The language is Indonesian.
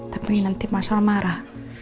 tapi nanti masal marah